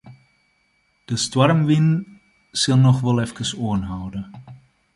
De stoarmwyn sil noch wol efkes oanhâlde.